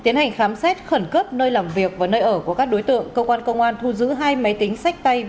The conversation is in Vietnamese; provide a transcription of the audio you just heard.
nói xét khẩn cấp nơi làm việc và nơi ở của các đối tượng cơ quan công an thu giữ hai máy tính sách tay